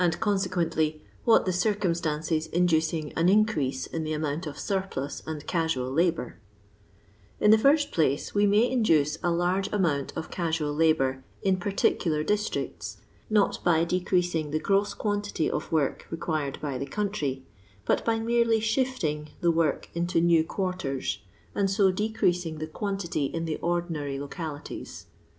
821 consequently, what the circumstAocei inducing an increase in the amount of turplus and casual labour 1 In the first place we maj induce a large amount of casual labour in partietdar dittrictt, not by decreasing the grou quantity of work re quired by the country, but by merely shilling the work into new quarters, and so decreasing the quantity in the ordinary localities.